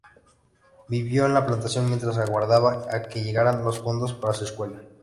Vivió en la plantación mientras aguardaba a que llegaran los fondos para su escuela.